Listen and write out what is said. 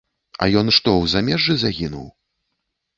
А ён што, у замежжы загінуў?